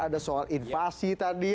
ada soal invasi tadi